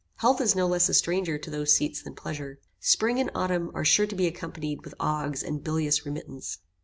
Health is no less a stranger to those seats than pleasure. Spring and autumn are sure to be accompanied with agues and bilious remittents.